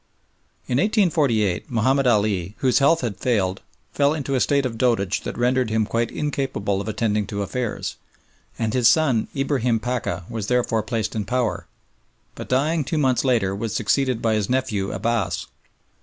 In 1848 Mahomed Ali, whose health had failed, fell into a state of dotage that rendered him quite incapable of attending to affairs, and his son Ibrahim Pacha was therefore placed in power, but dying two months later was succeeded by his nephew Abbass.